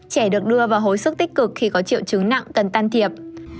trẻ được đưa vào hối sức tích cực khi có triệu trứng nặng cần tan thiệp